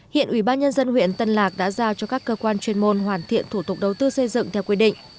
hiện ủy ban nhân dân huyện tân lạc đã giao cho các cơ quan chuyên môn hoàn thiện thủ tục đầu tư xây dựng theo quy định